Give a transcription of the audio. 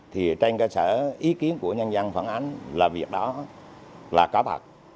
thì trên cơ sở ý kiến của nhân dân phản ánh là việc đó là có thật